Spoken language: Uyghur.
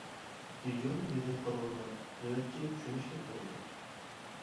«دىجورنى» دېگەنگە قارىغاندا «نۆۋەتچى» چۈشىنىشلىك بولىدۇ.